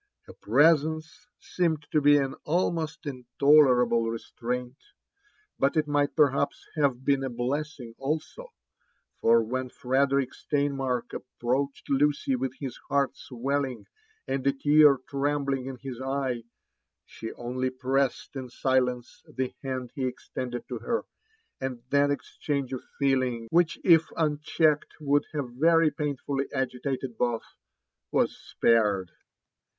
Her presence seemed to be an almost intoleraUe restraint; but it might perhaps havebeen a blessing also, for wlien Frederick Steinmark approached Lucy with bis heart swelling and a tear trembling in bis eye, she only pressed in silence the band he ex tended to her, and that exchange of feeling which if unchecked would have very painfully agitated both, was spared.